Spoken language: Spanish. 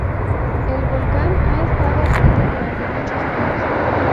El volcán ha estado activo durante muchos años.